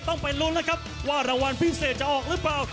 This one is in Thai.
ต้องไปลุ้นนะครับว่ารางวัลพิเศษจะออกหรือเปล่า